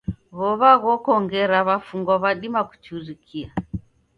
W'ow'a ghoko ngera w'afungwa w'adima kuchurikia.